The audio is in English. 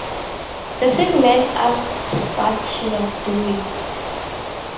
The sick man asked what she was doing.